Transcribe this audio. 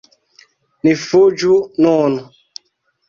Ni fuĝu nun!